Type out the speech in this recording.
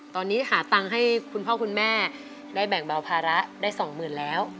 ตอนนี้หาตังค์ให้คุณพ่อคุณแม่ได้แบ่งเบาภาระได้สองหมื่นแล้ว